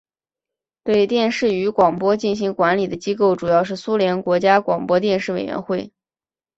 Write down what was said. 对电视与广播进行管理的机构主要是苏联国家广播电视委员会。